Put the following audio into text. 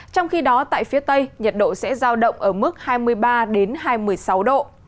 trong khi đó tại phía tây nhiệt độ sẽ giao động ở mức hai mươi ba hai mươi sáu độ